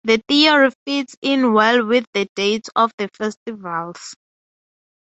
The theory fits in well with the dates of the festivals.